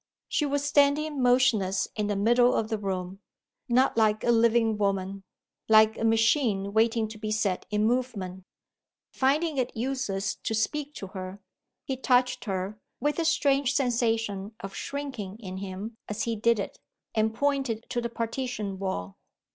She was standing motionless in the middle of the room not like a living woman like a machine waiting to be set in movement. Finding it useless to speak to her, he touched her (with a strange sensation of shrinking in him as he did it), and pointed to the partition wall.